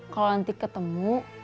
kalau nanti ketemu